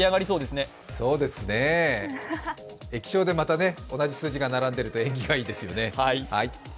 そうですね、液晶でまた同じ数字が並んでると縁起がいいですよね。